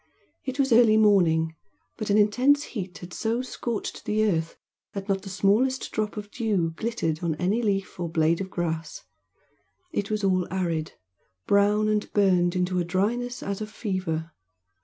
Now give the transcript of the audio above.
It was early morning, but an intense heat had so scorched the earth that not the smallest drop of dew glittered on any leaf or blade of grass; it was all arid, brown and burned into a dryness as of fever.